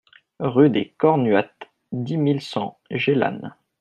Rue des Cornuattes, dix mille cent Gélannes